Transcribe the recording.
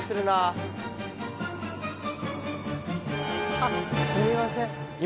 あっすみません今。